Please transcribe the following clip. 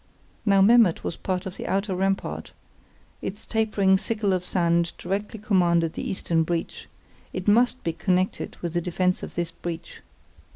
Now Memmert was part of the outer rampart; its tapering sickle of sand directly commanded the eastern breach; it must be connected with the defence of this breach.